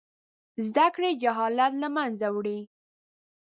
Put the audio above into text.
زده کړې جهالت له منځه وړي.